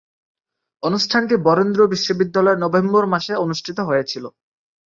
অনুষ্ঠানটি বরেন্দ্র বিশ্ববিদ্যালয়ে নভেম্বর মাসে অনুষ্ঠিত হয়েছিলো।